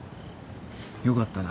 よかったな。